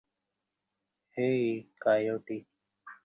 আমি একটা heat signature পাচ্ছি।